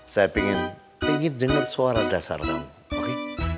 saya pingin denger suara dasar kamu oke